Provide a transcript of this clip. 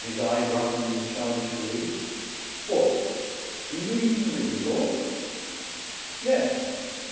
99 his eye brightening with childish glee, u What ! you mean ring taw t" "Yes."